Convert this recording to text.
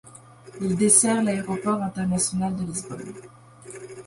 Il dessert l'aéroport international de Lisbonne.